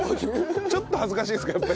ちょっと恥ずかしいですか？